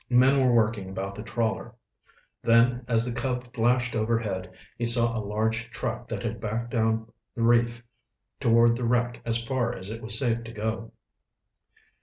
Men were working about the trawler. Then, as the Cub flashed overhead, he saw a large truck that had backed down the reef toward the wreck as far as it was safe to go.